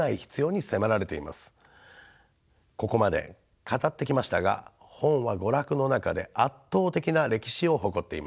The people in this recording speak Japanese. ここまで語ってきましたが本は娯楽の中で圧倒的な歴史を誇っています。